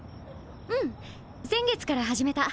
うん先月から始めた。